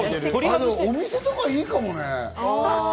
お店とかいいかもね。